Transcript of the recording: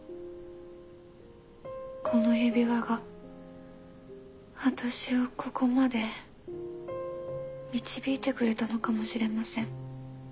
この指輪が私をここまで導いてくれたのかもしれません。